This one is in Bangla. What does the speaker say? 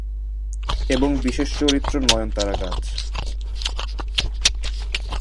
এবং বিশেষ চরিত্র নয়নতারা গাছ।